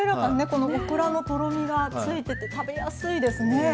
このオクラのとろみがついてて食べやすいですね。